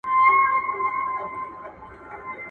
څوک به زما په مرګ خواشینی څوک به ښاد وي؟.